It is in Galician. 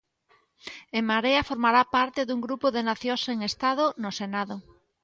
En Marea formará parte dun grupo de "nacións sen Estado" no Senado.